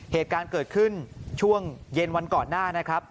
เหตุการณ์เกิดขึ้นช่วงเย็นวันก่อนหน้านะครับ